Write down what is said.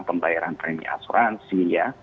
pembayaran premi asuransi ya